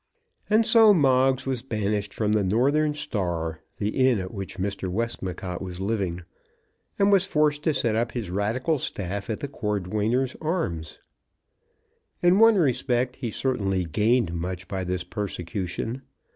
And so Moggs was banished from the Northern Star, the inn at which Mr. Westmacott was living, and was forced to set up his radical staff at the Cordwainers' Arms. In one respect he certainly gained much by this persecution.